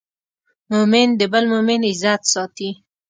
مؤمن د بل مؤمن عزت ساتي.